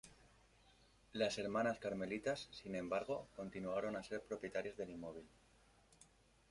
Las Hermanas Carmelitas, sin embargo, continuaron a ser propietarias del inmóvil.